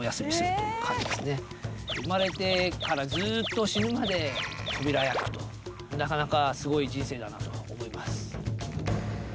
生まれてからずっと死ぬまで扉役となかなかすごい人生だなとは思います。